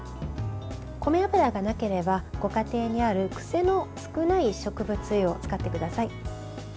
米油がなければご家庭にある癖の少ない植物油を使ってください。